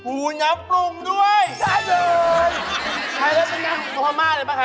อู๋น้ำปรุงด้วยใช่เลยใช่เลยใช่แล้วเป็นน้ำของพ่อมารเลยป่ะคะ